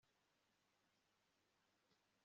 nzagaruka kureba uko byifashe